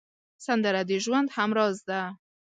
سندره د ژوند همراز ده